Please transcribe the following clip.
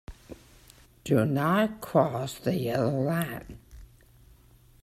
Do not cross the yellow line.